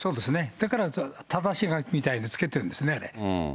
だからただし書きみたいなのをつけてるんですね、あれ。